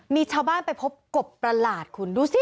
มีชาวบ้านไปพบกบประหลาดคุณดูสิ